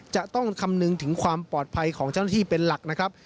จะต้องคำนึงถึงความปลอดภัยของเจ้าหน้าที่เป็นหลักนะครับ